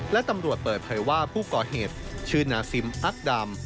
และตำรวจเปิดเผยว่าผู้ก่อเหตุชื่อนาซิมอักดำ